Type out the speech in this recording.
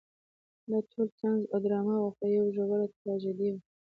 دا ټول طنز او ډرامه وه خو یوه ژوره تراژیدي وه.